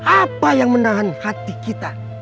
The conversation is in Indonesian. apa yang menahan hati kita